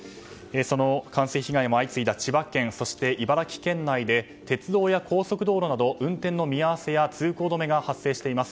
冠水被害も相次いだ千葉県、茨城県内で鉄道や高速道路など運転見合わせや通行止めが発生しています。